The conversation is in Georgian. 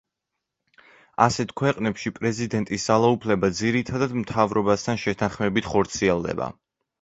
ასეთ ქვეყნებში პრეზიდენტის ძალაუფლება ძირითადად მთავრობასთან შეთანხმებით ხორციელდება.